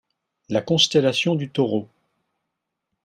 La constellation du Taureau.